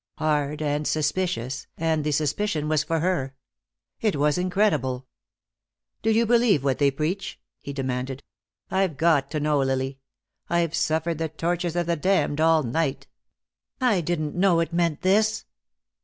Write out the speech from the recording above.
Hard and suspicious, and the suspicion was for her. It was incredible. "Do you believe what they preach?" he demanded. "I've got to know, Lily. I've suffered the tortures of the damned all night." "I didn't know it meant this."